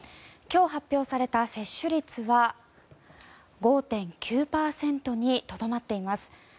今日発表された接種率は５．９％にとどまっています。